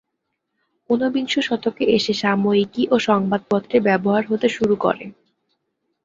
ঊনবিংশ শতকে এসে সাময়িকী ও সংবাদপত্রে ব্যবহার হতে শুরু করে।